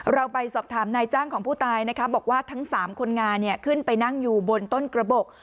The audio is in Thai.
เราไปสอบถามนายจ้างของผู้ตายนะคะบอกว่าทั้ง๓คนงานขึ้นไปนั่งอยู่บนต้นกระบบ